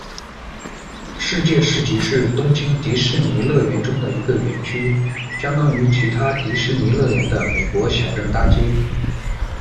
世界市集是东京迪士尼乐园中的一个园区，相当于其他迪士尼乐园的“美国小镇大街”。